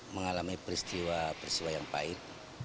mengalami peristiwa peristiwa yang pahit